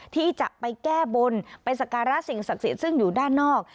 ที่จะไปแก้บนเป็นสักการะสิ่งศักดิ์เสียซึ่งอยู่ด้านนอก